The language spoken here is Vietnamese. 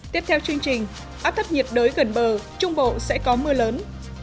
tiếp theo chương trình áp thấp nhiệt đới gần bờ trung bộ sẽ có mưa lớn